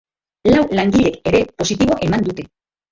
Lau langilek ere positibo eman dute.